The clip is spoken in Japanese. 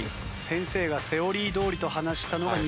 先生がセオリーどおりと話したのが２・５。